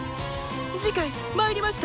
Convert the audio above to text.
次回「魔入りました！